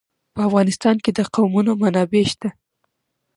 په افغانستان کې د قومونه منابع شته.